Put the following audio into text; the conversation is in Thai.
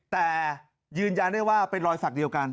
แต่ยืนยันได้ว่าเป็นรอยสักเดียวกัน